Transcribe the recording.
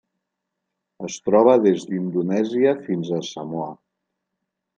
Es troba des d'Indonèsia fins a Samoa.